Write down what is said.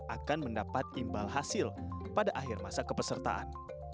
akan mendapat imbal hasil pada akhir masa kepesertaan